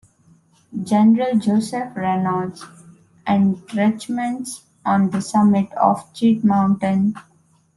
General Joseph Reynolds's entrenchments on the summit of Cheat Mountain.